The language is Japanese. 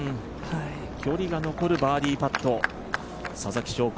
距離が残るバーディーパットささきしょうこ